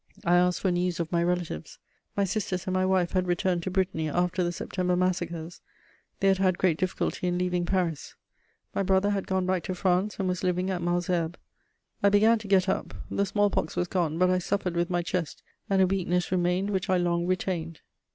I asked for news of my relatives: my sisters and my wife had returned to Brittany after the September massacres; they had had great difficulty in leaving Paris. My brother had gone back to France, and was living at Malesherbes. I began to get up; the smallpox was gone; but I suffered with my chest, and a weakness remained which I long retained.